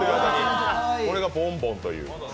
これがボンボンという。